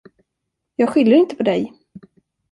Jag skyller inte på dig.